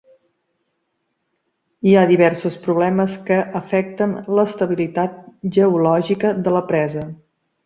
Hi ha diversos problemes que afecten l'estabilitat geològica de la presa.